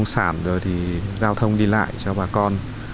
sản rồi thì giao thông đi lại cho bà con